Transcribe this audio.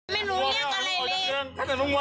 ไม่รู้เรื่องอะไรเลย